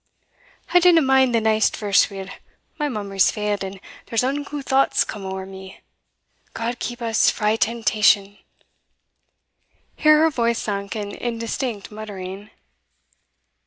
I dinna mind the neist verse weel my memory's failed, and theres unco thoughts come ower me God keep us frae temptation!" Here her voice sunk in indistinct muttering.